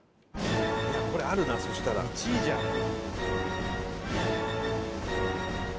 いやこれあるなそしたら１位じゃない？